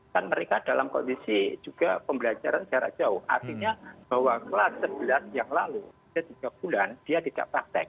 kan mereka dalam kondisi juga pembelajaran jarak jauh artinya bahwa kelas sebelas yang lalu tiga bulan dia tidak praktek